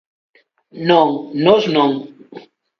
Non, nós non.